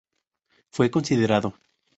Fue considerado.